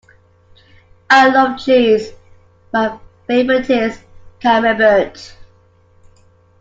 I love cheese; my favourite is camembert.